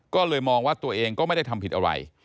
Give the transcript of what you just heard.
ก็เลยมองว่าตัวเองก็ไม่ได้ทำผิดอะไร